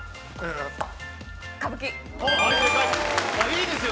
いいですよ。